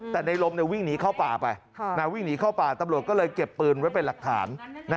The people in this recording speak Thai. แต่ในรมฮะวิ่งหนีเข้าป่าไปตำรวจก็เลยเก็บปืนไว้เป็นหลักฐาน